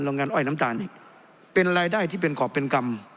งานอ้อยน้ำตาลอีกเป็นรายได้ที่เป็นขอบเป็นกรรม